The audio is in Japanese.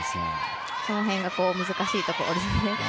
その辺が難しいですね。